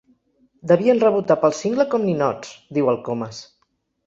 Devien rebotar pel cingle com ninots! —diu el Comas.